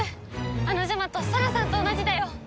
あのジャマト沙羅さんと同じだよ。